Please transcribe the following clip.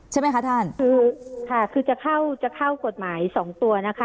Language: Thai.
ใช่ไหมคะท่านคือจะเข้าประโยชน์กฎหมาย๒ตัวนะคะ